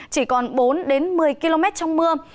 chỉ còn bốn một mươi km trong mưa